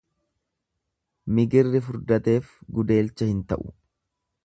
Migirri furdateef gudeelcha hin ta'u.